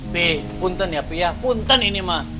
pi punten ya pi ya punten ini mah